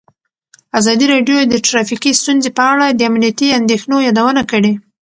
ازادي راډیو د ټرافیکي ستونزې په اړه د امنیتي اندېښنو یادونه کړې.